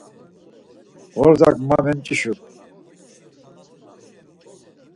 Xordzak ma memç̌işu.